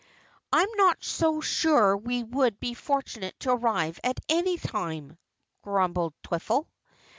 "I'm not so sure we would be fortunate to arrive here any time," grumbled Twiffle.